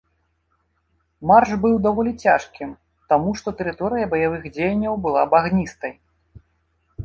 Марш быў даволі цяжкім, таму што тэрыторыя баявых дзеянняў была багністай.